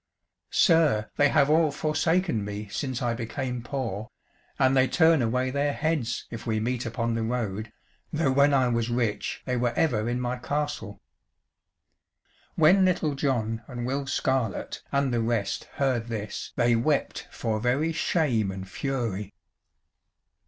"Sir, they have all forsaken me since I became poor, and they turn away their heads if we meet upon the road, though when I was rich they were ever in my castle." When Little John and Will Scarlett and the rest heard this they wept for very shame and fury.